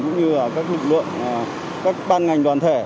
cũng như các lực lượng các ban ngành đoàn thể